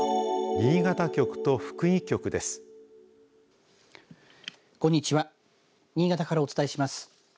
新潟からお伝えします。